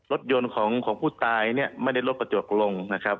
รถยนต์ของผู้ตายเนี่ยไม่ได้ลดกระจกลงนะครับ